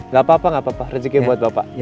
gapapa gapapa rezekinya buat bapak